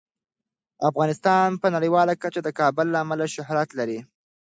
افغانستان په نړیواله کچه د کابل له امله شهرت لري.